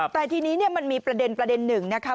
แต่ทีนี้มันมีประเด็นหนึ่งนะคะ